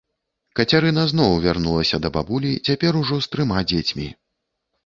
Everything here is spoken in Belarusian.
Кацярына зноў вярнулася да бабулі, цяпер ужо з трыма дзецьмі.